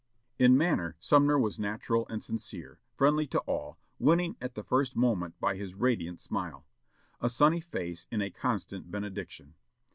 In manner Sumner was natural and sincere, friendly to all, winning at the first moment by his radiant smile. A sunny face is a constant benediction.